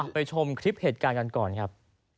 ไปชมคลิปเหตุการณ์กันก่อนครับ